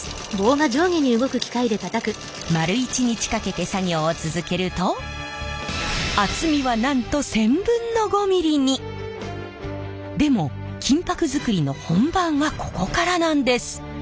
丸一日かけて作業を続けると厚みはなんと１０００分の５ミリに。でも金箔作りの本番はここからなんです！